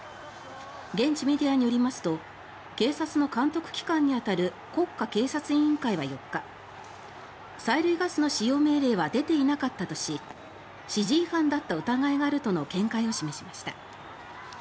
現地メディアによりますと警察の監督機関に当たる国家警察委員会は４日催涙ガスの使用命令は出ていなかったとし指示違反だった疑いがあるとの見解を示しました。